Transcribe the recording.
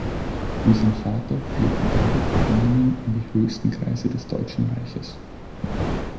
Wie sein Vater pflegte David Verbindungen in die höchsten Kreise des Deutschen Reiches.